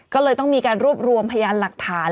ก็เลยต้องมีการรวบรวมพยานหลักฐาน